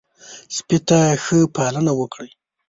سپي ته ښه پالنه وکړئ.